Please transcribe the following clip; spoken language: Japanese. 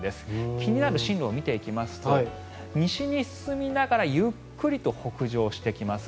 気になる進路を見ていきますと西に進みながらゆっくりと北上してきます。